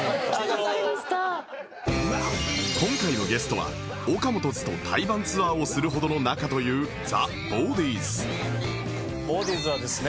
今回のゲストは ＯＫＡＭＯＴＯ’Ｓ と対バンツアーをするほどの仲という ＢＡＷＤＩＥＳ はですね